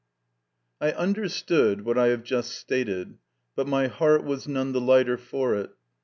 I UNDERSTOOD what I have just stated, but my heart was none the lighter for it.